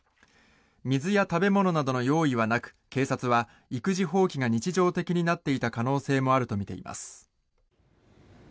水や食べ物などの用意はなく警察は育児放棄が日常的になっていた可能性もあるとみています。